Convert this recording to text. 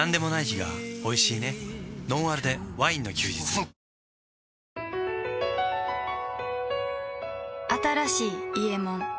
あふっ新しい「伊右衛門」